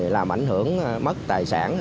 làm ảnh hưởng mất tài sản